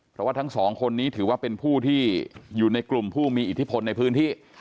เพราะว่าทั้งสองคนนี้ถือว่าเป็นผู้ที่อยู่ในกลุ่มผู้มีอิทธิพลในพื้นที่